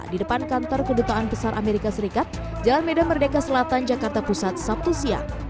di depan kantor kedutaan besar amerika serikat jalan medan merdeka selatan jakarta pusat sabtu siang